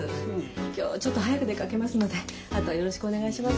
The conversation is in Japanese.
今日ちょっと早く出かけますのであとよろしくお願いします。